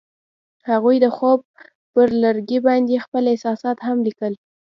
هغوی د خوب پر لرګي باندې خپل احساسات هم لیکل.